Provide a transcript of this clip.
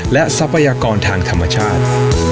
และทรัพยากรทางธรรมชาติ